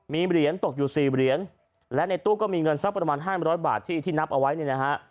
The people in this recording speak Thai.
มีเหรียญตกอยู่สี่เหรียญและในตู้ก็มีเงินสักประมาณ๕๐๐บาทที่ที่นับเอาไว้เนี่ยนะฮะ